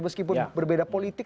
meskipun berbeda politik